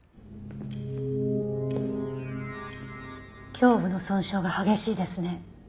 胸部の損傷が激しいですね。